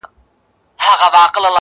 درته ښېرا كومه.